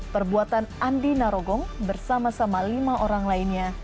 perbuatan andi narogong bersama sama lima orang lainnya